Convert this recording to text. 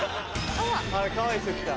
あらかわいい人来た。